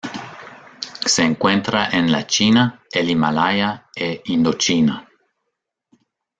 Se encuentra en la China, el Himalaya e Indochina.